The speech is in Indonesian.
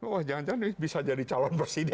wah jangan jangan dia bisa jadi calon presiden